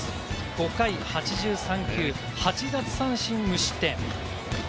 ５回８３球、８奪三振、無失点。